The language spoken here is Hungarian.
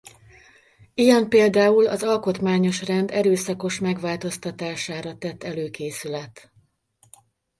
Ilyen például az alkotmányos rend erőszakos megváltoztatására tett előkészület.